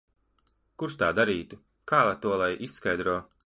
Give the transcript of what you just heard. Kurš tā darītu? Kā to lai izskaidro?